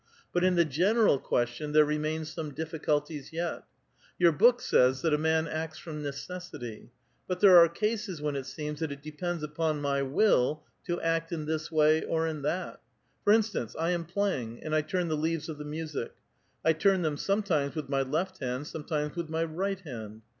But in the general question there remain some difficulties yet. Your book says that a man acts from | necessity ; but there are cases when it seems that it depends \ upon my will to act in this way or in that. For instance, I' am playing, and I turn the leaves of the music. I turn them sometimes with my left hand, sometimes with my right hand.